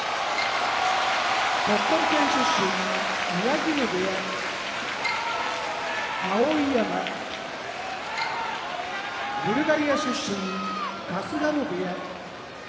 鳥取県出身宮城野部屋碧山ブルガリア出身春日野部屋